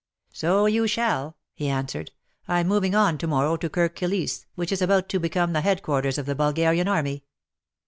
"So you shall," he answered ;" I'm moving on to morrow to Kirk Kilisse, which is about to become the headquarters of the Bulgarian army.